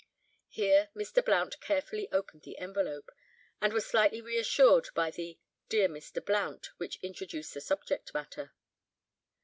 Here Mr. Blount carefully opened the envelope, and was slightly reassured by the "Dear Mr. Blount" which introduced the subject matter.